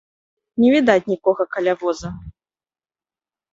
Не відаць нікога каля воза.